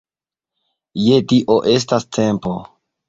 Je Dio, estas tempo!